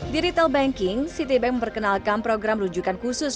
di retail banking citibank memperkenalkan program rujukan khusus